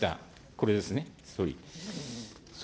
これですね、総理。